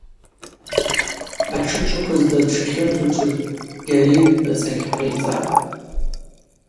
Атшы джвыквыздаз дшихьымдзушыз Гьари рыцӏагьи йхъайцӏатӏ.